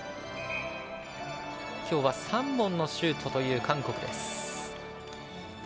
きょうは３本のシュートという韓国です。